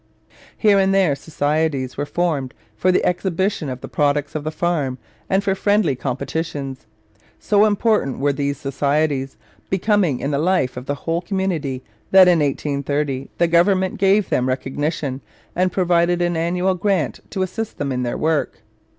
Here and there societies were formed for the exhibition of the products of the farm and for friendly competitions. So important were these societies becoming in the life of the whole community that in 1830 the government gave them recognition and provided an annual grant to assist them in their work.